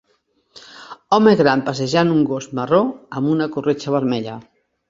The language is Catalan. Home gran passejant un gos marró amb una corretja vermella.